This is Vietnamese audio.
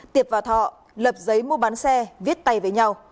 tiệp và thọ lập giấy mua bán xe viết tay với nhau